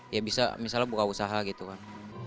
ya bisa misalnya buka usaha gitu kan